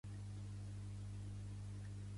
Thalberg va igualar els èxits de Liszt a Berlín.